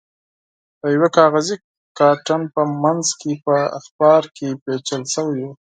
د یوه کاغذي کارتن په منځ کې په اخبار کې پېچل شوی و.